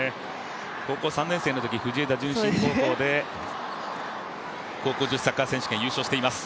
高校３年生のとき藤枝順心高校で、高校女子サッカー選手権、優勝しています。